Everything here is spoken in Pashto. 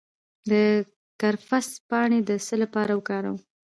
د کرفس پاڼې د څه لپاره وکاروم؟